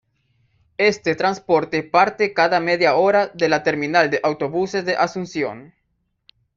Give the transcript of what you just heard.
Este transporte parte cada media hora de la Terminal de Autobuses de Asunción.